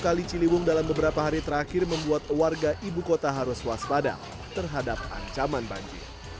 kali ciliwung dalam beberapa hari terakhir membuat warga ibu kota harus waspada terhadap ancaman banjir